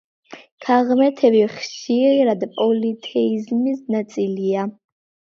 ქალღმერთები ხშირად პოლითეიზმის ნაწილია.